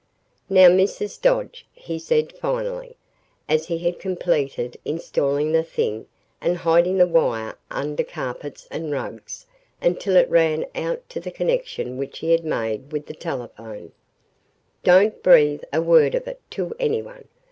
"Now, Mrs. Dodge," he said finally, as he had completed installing the thing and hiding the wire under carpets and rugs until it ran out to the connection which he made with the telephone, "don't breathe a word of it to anyone.